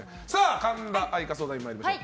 神田愛花相談員、まいりましょう。